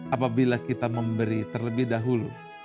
apabila kita memberi terlebih dahulu